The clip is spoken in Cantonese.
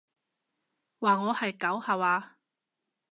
話我係狗吓話？